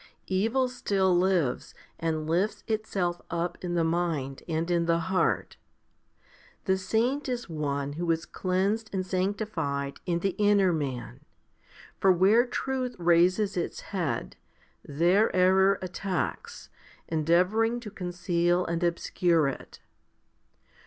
Evil still lives and lifts itself up in the mind and in the heart. The saint is one who is cleansed and sancti fied in the inner man. For where truth raises its head, there error attacks, endeavouring to conceal and obscure it.